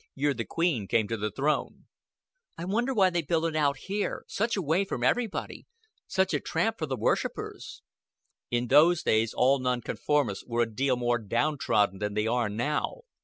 Year the Queen came to the throne." "I wonder why they built it out here such a way from everybody such a tramp for the worshipers." "In those days all non conformists were a deal more down trodden than they are now.